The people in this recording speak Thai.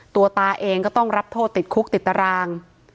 ตาเองก็ต้องรับโทษติดคุกติดตาราง